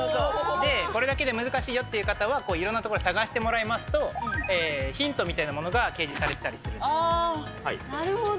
これだけで難しいよって方は、こういう、いろんなところを探してもらいますと、ヒントみたいなものが掲示なるほど。